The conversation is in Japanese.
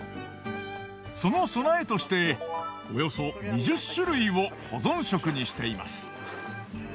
その備えとしておよそ２０種類を保存食にしています。